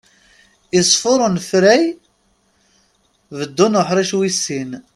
Iṣeffer unefray beddu n uḥric wis sin.